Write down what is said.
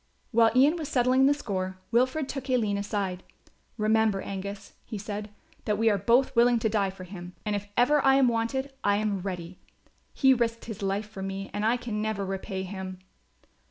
While Ian was settling the score Wilfred took Aline aside: "Remember, Angus," he said, "that we are both willing to die for him; and if ever I am wanted I am ready. He risked his life for me and I can never repay him."